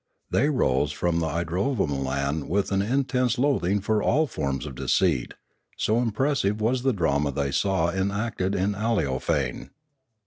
They rose from the idrovamolan with an intense loathing for all forms of deceit, so impressive was the drama they saw euacted in Aleofane.